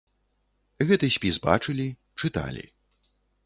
Гэты спіс бачылі, чыталі.